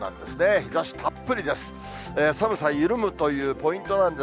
日ざしたっぷりです。